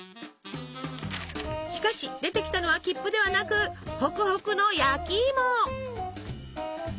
しかし出てきたのは切符ではなくホクホクの焼きいも！